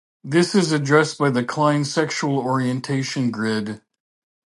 This is addressed by the Klein Sexual Orientation Grid.